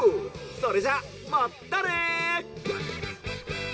それじゃあまたね」。